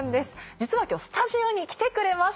実は今日スタジオに来てくれました。